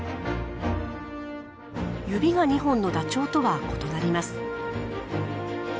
指が２本のダチョウとは異なります。